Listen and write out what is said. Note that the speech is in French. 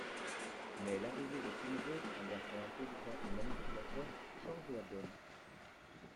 Mais l'arrivée de Kinzo, un garçon intelligent et manipulateur change la donne...